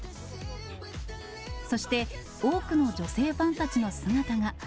そして、多くの女性ファンたちの姿が。